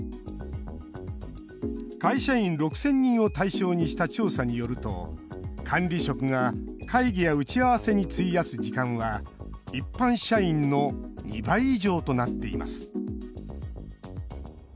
会社員６０００人を対象にした調査によると、管理職が会議や打ち合わせに費やす時間は一般社員の２倍以上となっています。